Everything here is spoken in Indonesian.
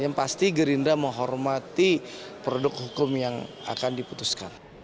yang pasti gerindra menghormati produk hukum yang akan diputuskan